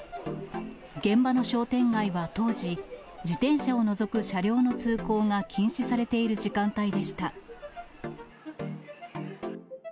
現場の商店街は当時、自転車を除く車両の通行が禁止されている時間帯でした。